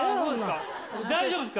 大丈夫ですか。